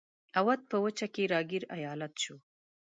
اَوَد په وچه کې را ګیر ایالت شو.